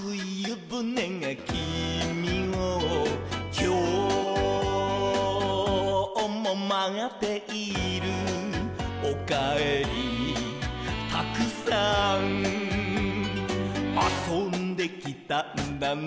「きょうもまっている」「おかえりたくさん」「あそんできたんだね」